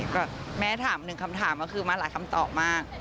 ก็แม่ถามหนึ่งคำถามก็คือมาหลายคำตอบมาก